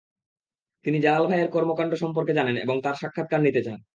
তিনি জালাল ভাইয়ের কর্মকাণ্ড সম্পর্কে জানেন এবং তাঁর সাক্ষাত্কার নিতে চান।